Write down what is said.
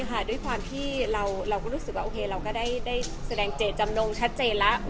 ด้วยความที่เราก็รู้สึกว่าโอเคเราก็ได้แสดงเจตจำนงชัดเจนแล้ว